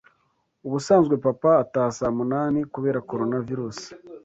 Ubusanzwe papa ataha saa munani kubera Coronavirus